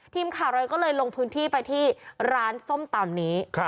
ทีมข่าวเราก็เลยลงพื้นที่ไปที่ร้านส้มตำนี้